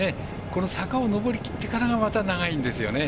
この坂を上りきってからがまた長いんですよね。